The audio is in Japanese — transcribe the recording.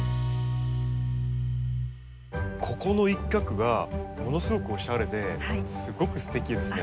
ここの一角がものすごくおしゃれですごくすてきですね。